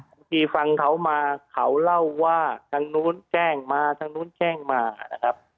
บางทีฟังเขามาเขาเล่าว่าทางนู้นแจ้งมาทางนู้นแจ้งมานะครับ